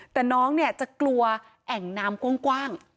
แต่น้องเนี่ยจะกลัวแอ่งน้ำกว้าง